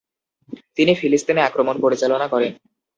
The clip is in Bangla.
তিনি ফিলিস্তিনে আক্রমণ পরিচালনা করেন।